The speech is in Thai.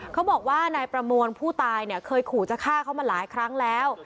เขาบอกว่านายประมวลผู้ตายเนี่ยเคยขู่จะฆ่าเขามาหลายครั้งแล้ว